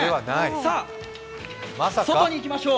さあ、外にいきましょう。